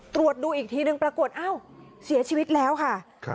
ตรวจดูอีกทีนึงปรากฏอ้าวเสียชีวิตแล้วค่ะ